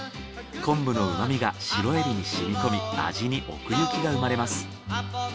昆布の旨みがシロエビに染み込み味に奥行きが生まれます。